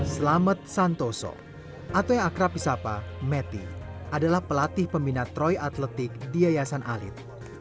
selamat santoso atau yang akrabis apa metti adalah pelatih peminat troy atletik di yayasan alit